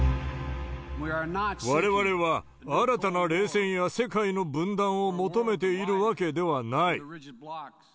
われわれは新たな冷戦や世界の分断を求めているわけではない。